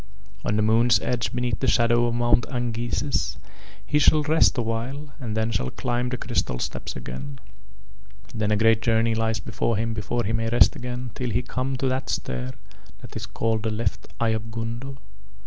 On the moon's edge beneath the shadow of Mount Angises he shall rest awhile and then shall climb the crystal steps again. Then a great journey lies before him before he may rest again till he come to that star that is called the left eye of Gundo.